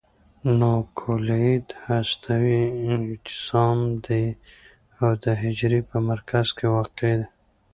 نوکلوئید هستوي اجسام دي او د حجرې په مرکز کې واقع دي.